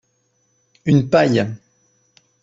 Une paille